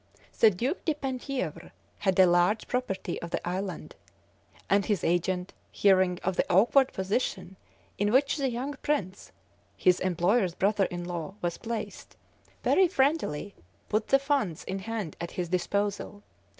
The Duke de Penthièvre had a large property in the island, and his agent, hearing of the awkward position in which the young prince, his employer's brother in law, was placed, very friendlily put the funds in hand at his disposal.